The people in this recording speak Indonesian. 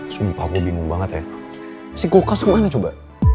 sumpah gue bingung banget ya si kulkas ke mana coba